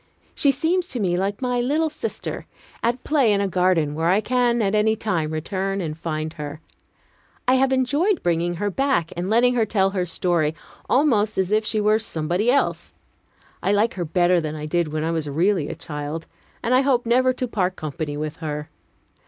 She seems to me like my little sister, at play in a garden where I can at any time return and find her. I have enjoyed bringing her back, and letting her tell her story, almost as if she were somebody else. I like her better than I did when I was really a child, and I hope never to part company with her.